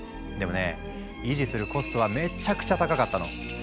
でもね維持するコストはめちゃくちゃ高かったの。